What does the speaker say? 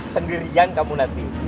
sendirian kamu nanti